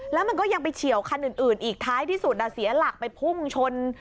แล้วมันก็ยังไปเฉียวคันอื่นอีกท้ายที่สุดเสียหลักไปพุ่งชน